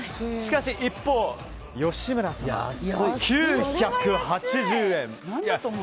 しかし一方吉村さんは９８０円。